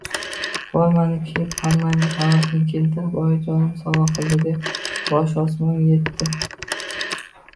Formani kiyib, hammaning havasini keltirib, oyijonim sovg`a qildi, deb boshi osmonga etdi